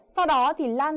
sau đó thì lan